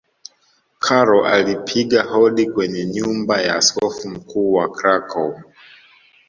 karol alipiga hodi kwenye nyumba ya askofu mkuu wa Krakow